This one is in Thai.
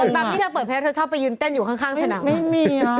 รถบั๊มที่เราเปิดเพลงเธอชอบไปยื่นเต้นอยู่ข้างสนับ